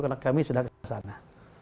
karena kami sudah kesana